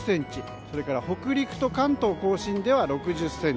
それから北陸と関東・甲信では６０ｃｍ。